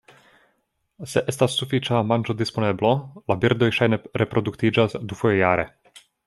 Se estas sufiĉa manĝodisponeblo, la birdoj ŝajne reproduktiĝas dufoje jare.